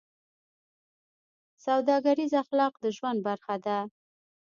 سوداګریز اخلاق د ژوند برخه ده.